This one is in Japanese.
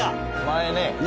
「前ね」